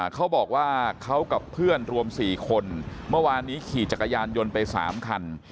เขาบอกว่าเขากับเพื่อนรวม๔คนเมื่อวานนี้ขี่จักรยานยนต์ไป๓คัน